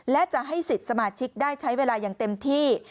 และจะให้สิทธิ์สมาชิกได้ใช้เวลาอย่างเต็มที่